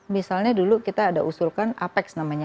misalnya dulu kita ada usulkan apex namanya